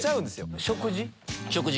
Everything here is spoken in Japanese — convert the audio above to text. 食事？